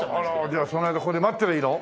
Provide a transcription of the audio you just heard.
じゃあその間ここで待ってりゃいいの？